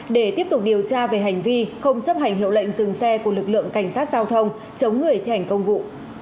để tiếp tục điều tra về hành vi không chấp hành hiệu lệnh dừng xe của lực lượng cảnh sát giao thông chống người thi hành công vụ